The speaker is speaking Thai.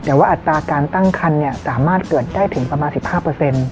แต่ว่าอัตราการตั้งคันเนี่ยสามารถเกิดนี่ได้ถึงประมาณ๑๕